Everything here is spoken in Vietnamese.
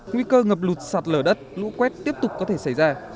nguy cơ ngập lụt sạt lở đất lũ quét tiếp tục có thể xảy ra